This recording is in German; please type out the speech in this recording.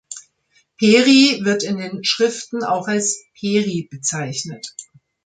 Pery wird in den Schriften auch als "Peri" bezeichnet.